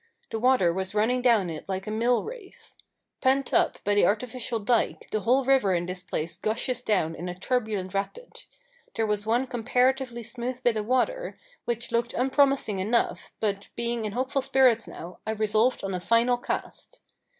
The water was running down it like a mill race. Pent up by the artificial dike, the whole river in this place gushes down in a turbulent rapid. There was one comparatively smooth bit of water, which looked unpromising enough, but being in hopeful spirits now, I resolved on a final cast.